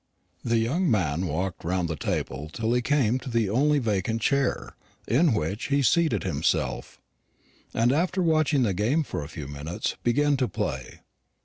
The young man walked round the table till he came to the only vacant chair, in which he seated himself, and after watching the game for a few minutes, began to play.